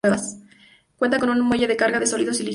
Cuenta con un muelle de carga de sólidos y líquidos.